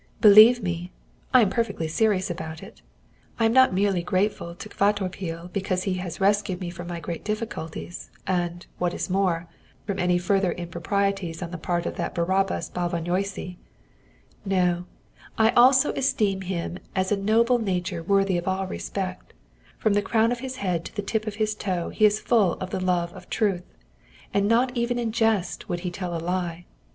"Believe me (I am perfectly serious about it), I am not merely grateful to Kvatopil because he has rescued me from my great difficulties, and, what is more, from any further improprieties on the part of that Barabbas Bálványossi; no, I also esteem him as a noble nature worthy of all respect; from the crown of his head to the tip of his toe he is full of the love of truth, not even in jest would he tell a lie.